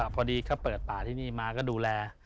พอดีเขาเปิดป่าที่นี่มาก็ดูแล